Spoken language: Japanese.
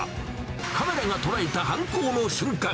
カメラが捉えた犯行の瞬間。